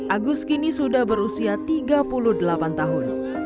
agus kini sudah berusia tiga puluh delapan tahun